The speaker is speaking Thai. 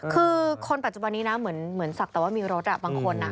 คือคนปัจจุบันนี้นะเหมือนศักดิ์แต่ว่ามีรถบางคน